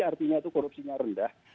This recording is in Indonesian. artinya itu korupsinya rendah